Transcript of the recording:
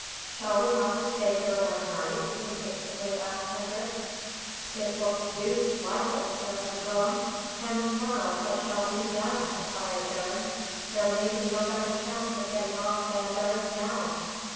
"Shall we have to stay here another night?" impatiently asked Hendrik. "It looks deuced like it," answered Willem. "And to morrow, what shall we do then?" inquired Arend. "There may be no better chance of getting off than there is now."